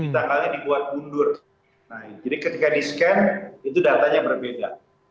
tanggalnya dibuat mundur naik jadi ketika di scan itu datanya berbeda